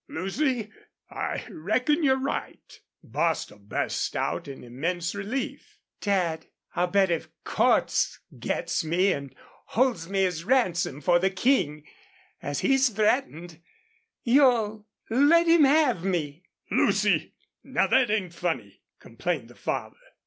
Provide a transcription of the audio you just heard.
"Lucy, I reckon you're right," Bostil burst out in immense relief. "Dad, I'll bet if Cordts gets me and holds me as ransom for the King as he's threatened you'll let him have me!" "Lucy, now thet ain't funny!" complained the father.